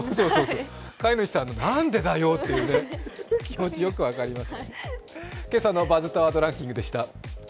飼い主さんの「何でだよ」って気持ち、よく分かります。